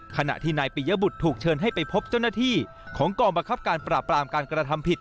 ขณะที่นายปิยบุตรถูกเชิญให้ไปพบเจ้าหน้าที่ของกองบังคับการปราบปรามการกระทำผิด